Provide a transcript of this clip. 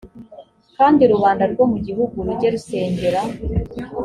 kandi rubanda rwo mu gihugu rujye rusengera